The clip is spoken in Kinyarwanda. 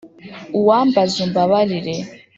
Uwambaz'umbabarire